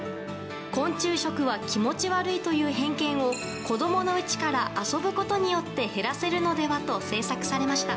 昆虫食は気持ち悪いという偏見を子供のうちから遊ぶことによって減らせるのではと制作されました。